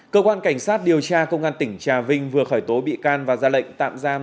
cơ quan cảnh sát điều tra công an tỉnh trà vinh vừa khởi tố bị can và ra lệnh tạm giam